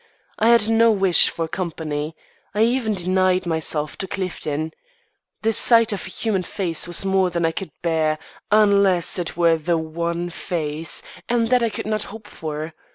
I had no wish for company. I even denied myself to Clifton. The sight of a human face was more than I could bear unless it were the one face; and that I could not hope for.